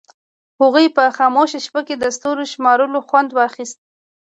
هغوی په خاموشه شپه کې د ستورو شمارلو خوند واخیست.